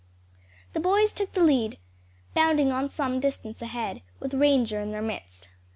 The boys took the lead, bounding on some distance ahead, with Ranger in their midst.